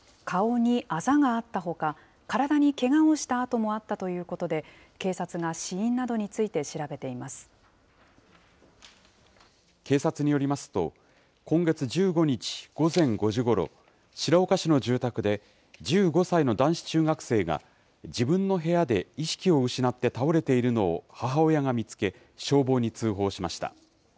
顔にあざがあったほか、体にけがをした痕もあったということで、警察が死因などについて警察によりますと、今月１５日午前５時ごろ、白岡市の住宅で、１５歳の男子中学生が自分の部屋で意識を失って倒れているのを母親が見つけ、消防に通報しました。